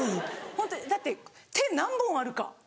ホントにだって手何本あるか。